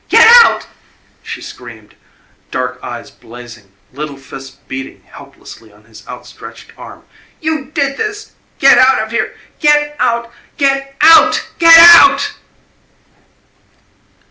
"Get out!" she screamed, dark eves blazing, little fists beating helplessly on his outstretched arm. "You did this! Get out of here get out get OUT! GET OUT!"